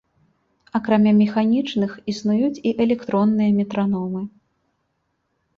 Акрамя механічных, існуюць і электронныя метраномы.